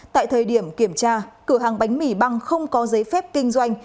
tại thời điểm kiểm tra cửa hàng bánh mì băng không có giấy phép kinh doanh